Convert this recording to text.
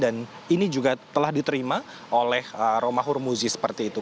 dan ini juga telah diterima oleh romahur muzi seperti itu